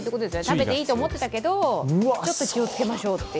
食べていいと思っていたけど、ちょっと注意しましょうと。